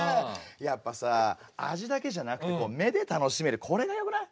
やっぱさ味だけじゃなくて目で楽しめるこれがよくない？